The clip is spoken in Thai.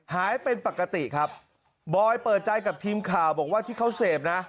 หายเป็นปกติครับบอยเปิดใจกับทีมข่าวบอกว่าที่เขาเสพนะ